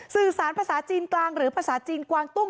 สื่อสารภาษาจีนกลางหรือภาษาจีนกวางตุ้ง